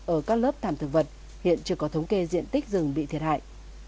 ở các lớp thảm thực vật hiện chưa có thống kê diện tích rừng bị thiệt hại